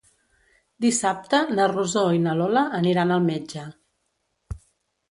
Dissabte na Rosó i na Lola aniran al metge.